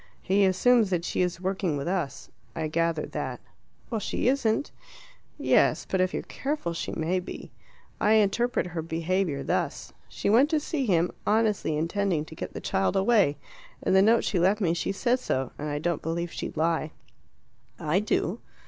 He assumes that she is working with us: I gathered that." "Well, she isn't." "Yes; but if you're careful she may be. I interpret her behaviour thus: She went to see him, honestly intending to get the child away. In the note she left me she says so, and I don't believe she'd lie." "I do."